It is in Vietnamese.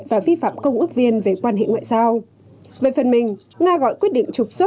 và vi phạm công ước viên về quan hệ ngoại giao về phần mình nga gọi quyết định trục xuất